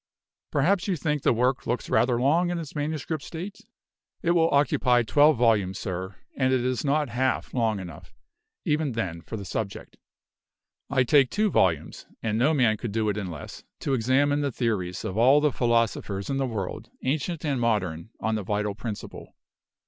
Perhaps you think the work looks rather long in its manuscript state? It will occupy twelve volumes, sir, and it is not half long enough, even then, for the subject. I take two volumes (and no man could do it in less) to examine the theories of all the philosophers in the world, ancient and modern, on the Vital Principle.